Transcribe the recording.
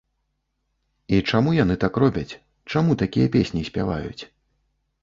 І чаму яны так робяць, чаму такія песні спяваюць?